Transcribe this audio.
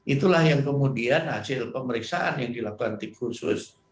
itulah yang kemudian hasil pemeriksaan yang dilakukan tim khusus